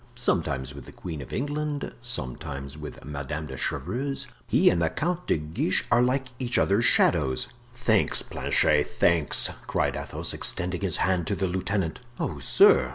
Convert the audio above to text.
"Sometimes with the queen of England, sometimes with Madame de Chevreuse. He and the Count de Guiche are like each other's shadows." "Thanks, Planchet, thanks!" cried Athos, extending his hand to the lieutenant. "Oh, sir!"